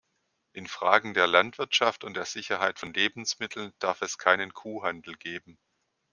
In Fragen der Landwirtschaft und der Sicherheit von Lebensmitteln darf es keinen Kuhhandel geben.